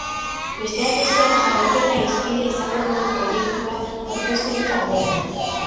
Besteak beste, jarraipena hizpide izango duen proiektua aurkeztu du taldeak.